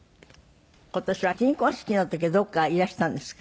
今年は金婚式の時どこかいらしたんですか？